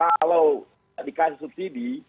kalau dikasih subsidi